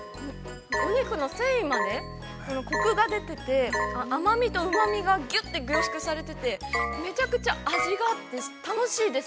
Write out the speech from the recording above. お肉の繊維までコクが出てて甘みとうまみがぎゅって凝縮されててめちゃくちゃ味があって楽しいです。